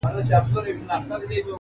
ما درکړي تا ته سترګي چي مي ووینې پخپله؛